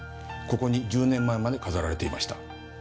ここに１０年前まで飾られていました。